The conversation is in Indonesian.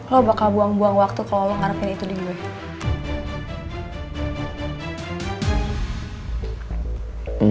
lo bakal buang buang waktu kalau ngarepin itu di gue